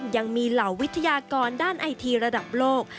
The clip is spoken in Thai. ยังมีเหล่าวิทยากรด้านไอทีระดับโลก